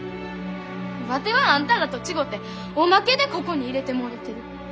ワテはあんたらと違ておまけでここに入れてもろてる。